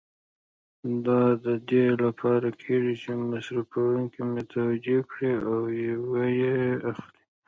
دا د دې لپاره کېږي چې مصرفوونکي متوجه کړي او و یې اخلي.